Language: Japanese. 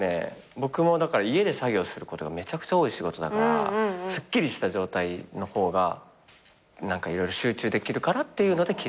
僕も家で作業することがめちゃくちゃ多い仕事だからすっきりした状態の方が色々集中できるからっていうので奇麗にしてる。